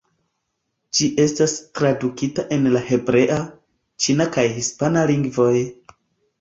Ĝi estas tradukita en la hebrea, ĉina kaj hispana lingvoj.